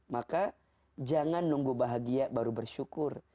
maka jangan nunggu bahagia baru bersyukur